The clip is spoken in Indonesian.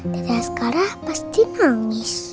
dada sekarang pasti nangis